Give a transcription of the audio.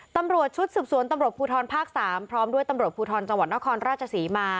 ตำรวจชุดสืบสวนตำรวจภูทรภาค๓พร้อมด้วยตำรวจภูทรจังหวัดนครราชศรีมา